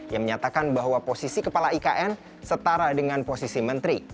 yang menyatakan bahwa posisi kepala ikn setara dengan posisi menteri